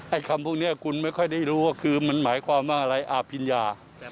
คำพวกนี้คุณไม่ค่อยได้รู้ว่าคือมันหมายความว่าอะไรอภิญญา